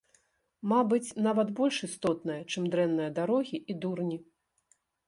Мабыць, нават больш істотная, чым дрэнныя дарогі і дурні.